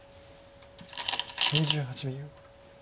２８秒。